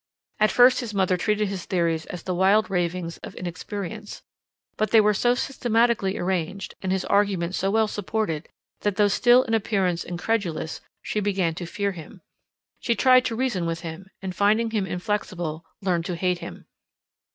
At first his mother treated his theories as the wild ravings of inexperience. But they were so systematically arranged, and his arguments so well supported, that though still in appearance incredulous, she began to fear him. She tried to reason with him, and finding him inflexible, learned to hate him.